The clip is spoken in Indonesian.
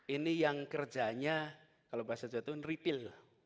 ini yang kerjanya kalau bahasa jawa tenggara itu retail